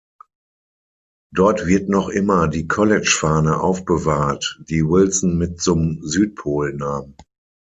Dort wird noch immer die College-Fahne aufbewahrt, die Wilson mit zum Südpol nahm.